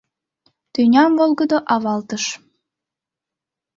Тӱням волгыдо авалтыш.